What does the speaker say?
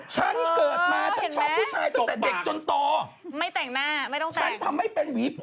ฉันเกิดมาฉันชอบผู้ชายตั้งแต่เด็กจนต่อ